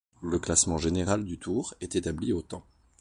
Le classement général du Tour est établi au temps.